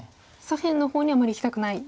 左辺の方にあまりいきたくない。